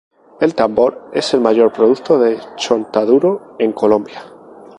El Tambo es el mayor productor de chontaduro en Colombia.